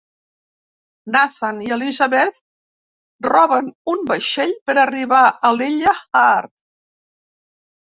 Nathan i Elisabeth roben un vaixell per arribar a l'illa Hart.